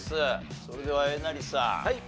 それではえなりさん